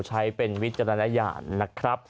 ใช้เป็นวิจารณญาณนะครับ